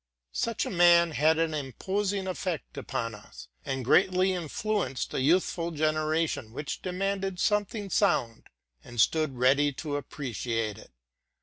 Such a man had an imposing effect upon us, and the greatest influence on a youthful generation, which demanded something sound, and stood ready to appreciate it.